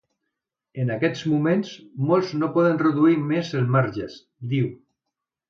En aquests moments, molts no poden reduir més els marges –diu–.